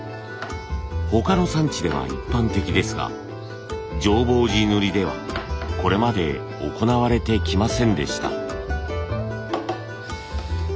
他の産地では一般的ですが浄法寺塗ではこれまで行われてきませんでした。